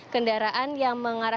kendaraan yang mengalami